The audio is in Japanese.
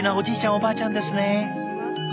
おばあちゃんですね。